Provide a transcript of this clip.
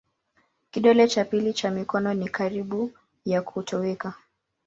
Kidole cha pili cha mikono ni karibu ya kutoweka.